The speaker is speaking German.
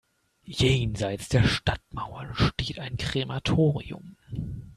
Jenseits der Stadtmauern steht ein Krematorium.